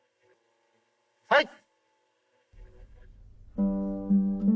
はい！